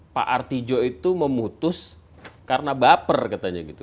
pak artijo itu memutus karena baper katanya gitu